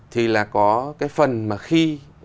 thì là có cái phần mà khi